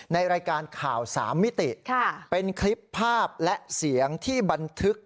ในรายการข่าวสามมิติเป็นคลิปภาพและเสียงที่บันทึก